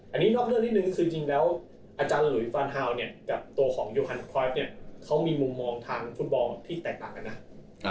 อันนี้นอกเรื่องนิดนึงก็คือจริงแล้วอาจารย์หลุยฟานฮาวเนี่ยกับตัวของโยฮันสครอสเนี่ยเขามีมุมมองทางฟุตบอลที่แตกต่างกันนะ